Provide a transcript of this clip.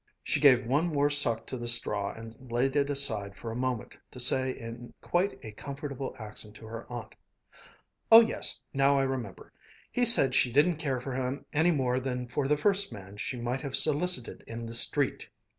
She gave one more suck to the straw and laid it aside for a moment to say in quite a comfortable accent to her aunt: "Oh yes, now I remember. He said she didn't care for him any more than for the first man she might have solicited in the street."